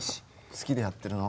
好きでやってるの。